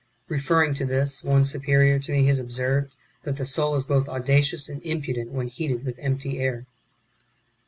(Referring to this, one superior to me has observed, that the soul is both audacious and impudent wdien heated with empty air.)